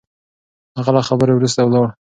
هغه له خبرو وروسته ولاړ.